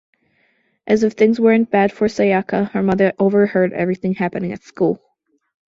As if things weren't bad for Sayaka, her mother overheard everything happening at school.